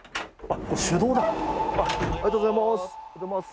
ありがとうございます。